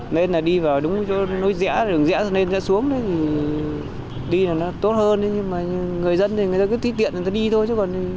nói dễ đường dễ nên ra xuống đi là nó tốt hơn nhưng người dân thì người ta cứ thi tiện người ta đi thôi